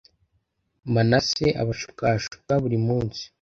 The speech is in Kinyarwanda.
manase abashukashuka burimunsi.